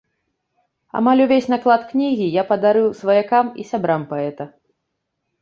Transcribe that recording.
Амаль увесь наклад кнігі я падарыў сваякам і сябрам паэта.